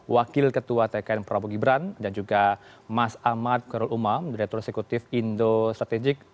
wakil ketua tkn prabowo gibran dan juga mas ahmad korul umam direktur eksekutif indo strategik